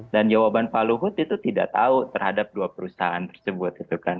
dan jawaban pak luhut itu tidak tahu terhadap dua perusahaan tersebut